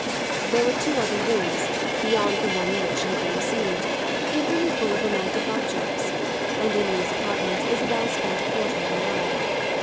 There were two other rooms, beyond the one in which she had been received, equally full of romantic objects, and in these apartments Isabel spent a quarter of an hour.